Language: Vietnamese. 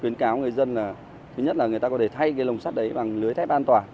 khuyến cáo người dân là thứ nhất là người ta có thể thay cái lồng sắt đấy bằng lưới thép an toàn